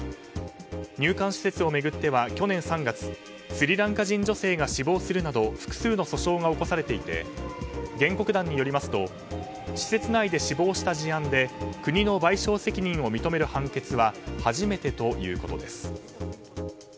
入管施設を巡っては去年３月、スリランカ人女性が死亡するなど複数の訴訟が起こされていて原告団によりますと施設内で死亡した事案で国の賠償責任を認める判決は初めてということです。